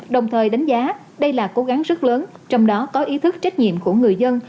đồng thời đánh giá đây là cố gắng rất lớn trong đó có ý thức trách nhiệm của người dân